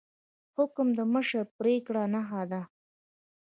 حکم د مشر د پریکړې نښه ده